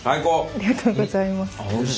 ありがとうございます。